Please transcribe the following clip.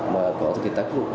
mà có cái tác dụng